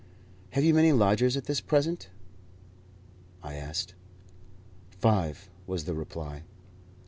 "Have you many lodgers at present?" I asked. "Five," was the reply.